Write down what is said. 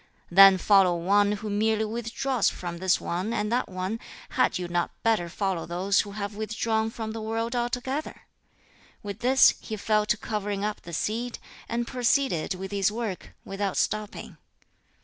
Than follow one who merely withdraws from this one and that one, had you not better follow those who have withdrawn from the world altogether?' With this he fell to covering up the seed, and proceeded with his work, without stopping.